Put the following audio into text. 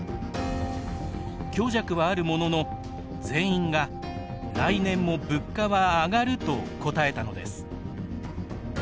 強弱はあるものの、全員が来年も物価は上がると答えたのです。